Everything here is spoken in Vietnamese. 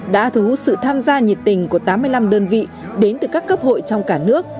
đã thu hút sự tham gia nhiệt tình của tám mươi năm đơn vị đến từ các cấp hội trong cả nước